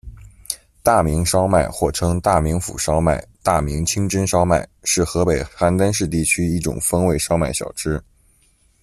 大名烧麦或称大名府烧麦、大名清真烧麦，是河北邯郸市地区一种风味烧麦小吃。